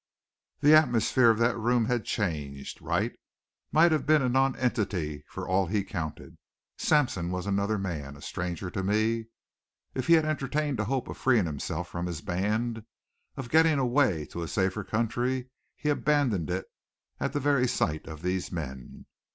The atmosphere of that room had changed. Wright might have been a nonentity for all he counted. Sampson was another man a stranger to me. If he had entertained a hope of freeing himself from his band, of getting away to a safer country, he abandoned it at the very sight of these men.